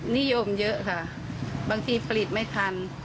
นิยมเยอะค่ะบางทีผลิตไม่ทัน